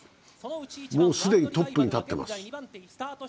もう既にトップに立っています。